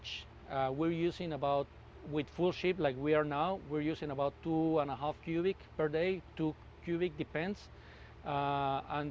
kita menggunakan sekitar dengan kapal penuh seperti yang kita pakai sekarang kita menggunakan sekitar dua lima kubik per hari